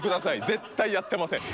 絶対やってません。